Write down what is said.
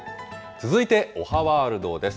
続いて、おはワールドです。